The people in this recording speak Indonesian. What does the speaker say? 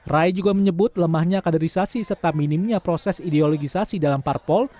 rai juga menyebut lemahnya kaderisasi serta minimnya proses ideologisasi dalam parpol